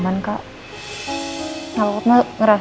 aku tuh aku sebenarnya